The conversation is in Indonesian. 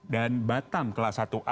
dan batam kelas satu a